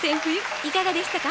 いかがでしたか？